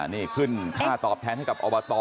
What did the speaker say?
นี่ขึ้นค่าตอบแทนให้กับอบต